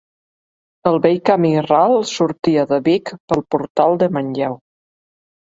El vell camí ral sortia de Vic pel portal de Manlleu.